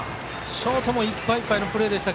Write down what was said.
ショートもいっぱいいっぱいのプレーでした。